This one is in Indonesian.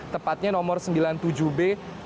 tepatnya nomor sembilan puluh tujuh b